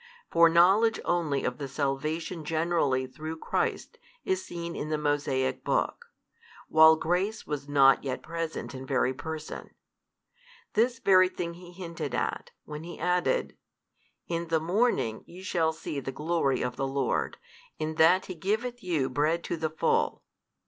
For knowledge only of the salvation generally through Christ is seen in the Mosaic book, while grace was not yet present in very person. This very thing He hinted at, when He added, In the morning ye shall see the glory of the Lord, in that He giveth you bread to the full.